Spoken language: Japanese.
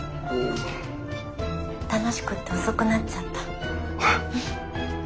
楽しくて遅くなっちゃった。